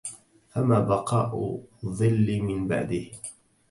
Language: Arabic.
فما بَقاءُ الظلِ من بَعدِه